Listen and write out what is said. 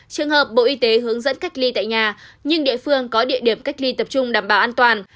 trường hợp bộ y tế hướng dẫn cách ly tại nhà nhưng địa phương có địa điểm cách ly tập trung đảm bảo an toàn